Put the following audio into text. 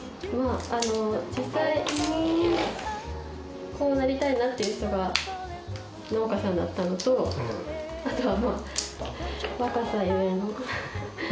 実際にこうなりたいなっていう人が農家さんだったのとあとは。